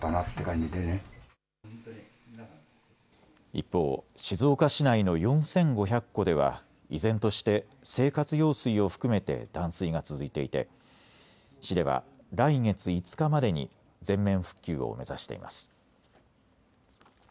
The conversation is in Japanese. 一方、静岡市内の４５００戸では依然として生活用水を含めて断水が続いていて市では来月５日までに全面復旧を目指しています。